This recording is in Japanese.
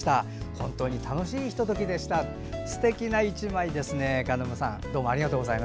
本当に楽しいひと時でしたとすてきな１枚ですね。